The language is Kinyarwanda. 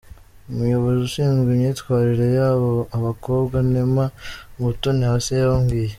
Umuyobozi ushinzwe imyitwarire y’ abo abakobwa, Neema Umutoniwase yabwiye.